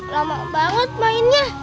lama banget mainnya